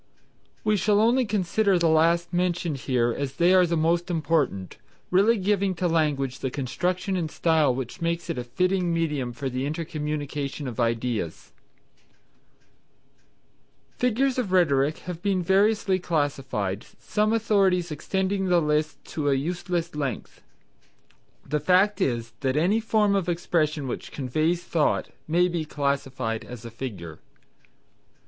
We shall only consider the last mentioned here as they are the most important, really giving to language the construction and style which make it a fitting medium for the intercommunication of ideas. Figures of Rhetoric have been variously classified, some authorities extending the list to a useless length. The fact is that any form of expression which conveys thought may be classified as a Figure.